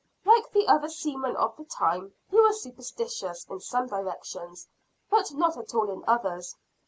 Like the other seamen of the time he was superstitious in some directions, but not at all in others.